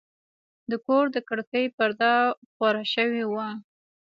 د کور د کړکۍ پرده خواره شوې وه.